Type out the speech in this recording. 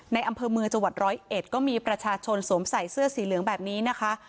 อำเภอเมืองจังหวัดร้อยเอ็ดก็มีประชาชนสวมใส่เสื้อสีเหลืองแบบนี้นะคะ